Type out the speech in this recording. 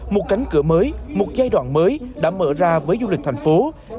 một cánh cửa mới một giai đoạn mới đã mở ra với du lịch thành phố